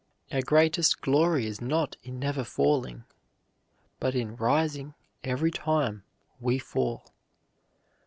Our greatest glory is not in never falling, but in rising every time we fall.